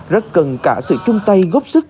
rất cần cả sự chung tay góp sức